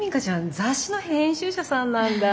雑誌の編集者さんなんだ。